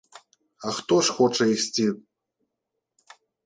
А хто ж хоча ісці?